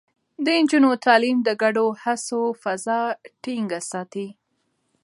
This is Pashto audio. د نجونو تعليم د ګډو هڅو فضا ټينګه ساتي.